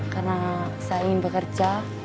karena saya ingin bekerja